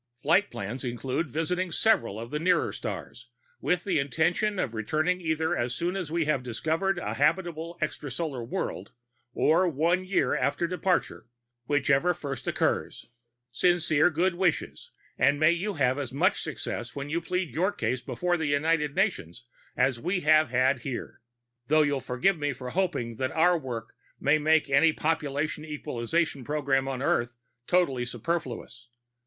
_ _Flight plans include visiting several of the nearer stars, with the intention of returning either as soon as we have discovered a habitable extrasolar world, or one year after departure, whichever first occurs._ _Sincere good wishes, and may you have as much success when you plead your case before the United Nations as we have had here though you'll forgive me for hoping that our work might make any population equalization program on Earth totally superfluous!